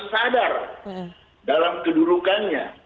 sadar dalam kedudukannya